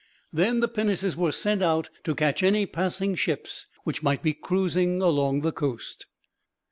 Then the pinnaces were sent out, to catch any passing ships which might be cruising along the coast.